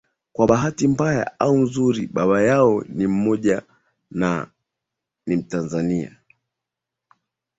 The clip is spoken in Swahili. Kwa bahati mbaya au nzuri baba yao ni mmoja na ni mtanzania